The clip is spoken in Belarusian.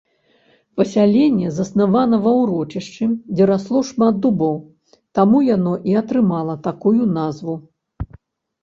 Пасяленне заснавана ва ўрочышчы, дзе расло шмат дубоў, таму яно і атрымала такую назву.